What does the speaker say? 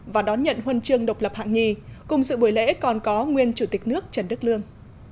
và đón nhận huân chương độc lập hạng nhì cùng sự buổi lễ còn có nguyên chủ tịch nước trần đức lương